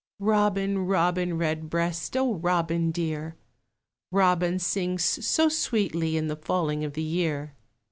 Robin, Robin Redbreast, O Robin dear! Robin sings so sweetly In the falling of the year.